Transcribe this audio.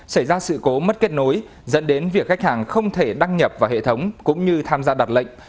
xảy ra sự cố mất kết nối dẫn đến việc khách hàng không thể đăng nhập vào hệ thống cũng như tham gia đặt lệnh